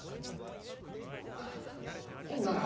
うほんなら。